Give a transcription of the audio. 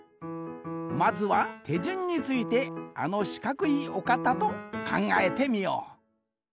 まずはてじゅんについてあのしかくいおかたとかんがえてみよう。